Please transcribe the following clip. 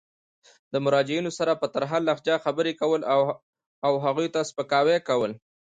د مراجعینو سره په ترخه لهجه خبري کول او هغوی ته سپکاوی کول.